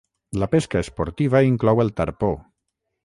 La pesca esportiva inclou el tarpó.